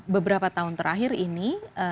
beberapa tahun terakhir ini